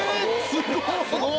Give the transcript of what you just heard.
すごい。